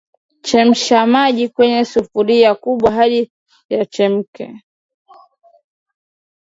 Chemsha maji kwenye sufuria kubwa hadi yachemke